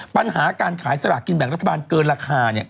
ปัญหาการขายสลากกินแบ่งรัฐบาลเกินราคา